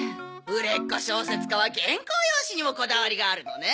売れっ子小説家は原稿用紙にもこだわりがあるのね。